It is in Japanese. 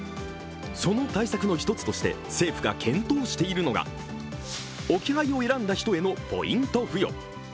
その対策の１つとして政府が検討しているのが置き配を選んだ人へのポイント付与。